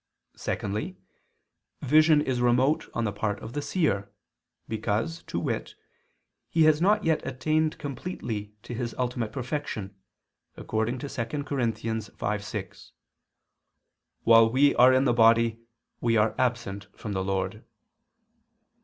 Secondly, vision is remote on the part of the seer, because, to wit, he has not yet attained completely to his ultimate perfection, according to 2 Cor. 5:6, "While we are in the body, we are absent from the Lord."